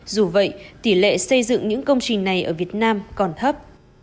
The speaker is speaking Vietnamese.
dù vậy tỷ lệ xây dựng những công trình này ở việt nam còn thấp